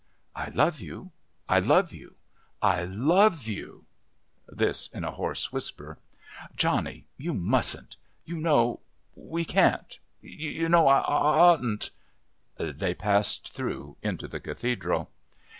"I love you, I love you, I love you." This in a hoarse whisper. "Johnny you mustn't you know we can't you know I oughtn't " They passed through into the Cathedral.